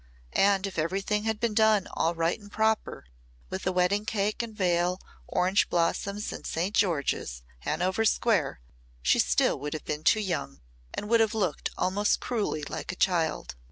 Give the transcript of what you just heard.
And if everything had been done all right and proper with wedding cake and veil, orange blossoms and St. George's, Hanover Square, she still would have been too young and would have looked almost cruelly like a child.